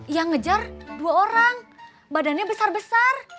yang ngejar dua orang badannya besar besar